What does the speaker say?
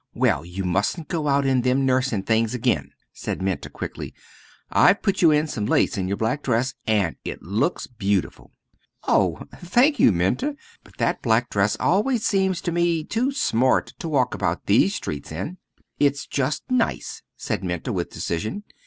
"Well, you mustn't go out in them nursin' things again," said Minta, quickly; "I've put you in some lace in your black dress, an' it looks beautiful." "Oh, thank you, Minta; but that black dress always seems to me too smart to walk about these streets in." "It's just nice," said Minta, with decision.